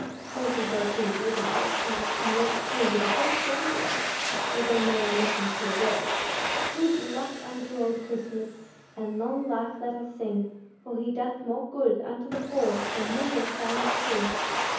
Percy broke in with an old song, and went through with a whole stanza of it, although no one listened to a word: "Good luck unto old Christmas, And long life let us sing, For he doeth more good unto the poor Than many a crownéd king."